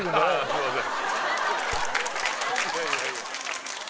すいません